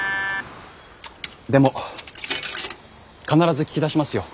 でも必ず聞き出しますよ。